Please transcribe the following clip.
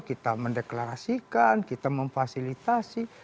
kita mendeklarasikan kita memfasilitasi